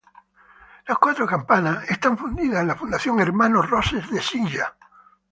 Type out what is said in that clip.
Las cuatro campanas están fundidas en la Fundición Hermanos Roses de Silla.